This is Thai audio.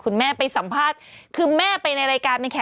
คุณแม่ไปสัมภาษณ์คือแม่ไม่ได้เป็นตอบแม่ไง